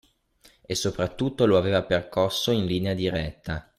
E soprattutto lo aveva percosso in linea diretta